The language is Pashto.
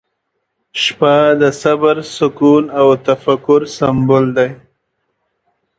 • شپه د صبر، سکون، او تفکر سمبول دی.